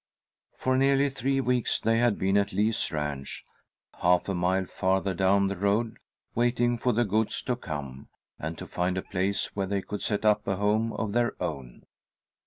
For nearly three weeks they had been at Lee's Ranch, half a mile farther down the road, waiting for the goods to come, and to find a place where they could set up a home of their own.